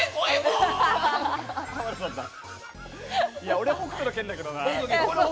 俺、「北斗の拳」だけどな。